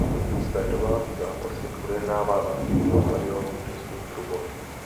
Své domácí zápasy odehrává na zimním stadionu Český Krumlov.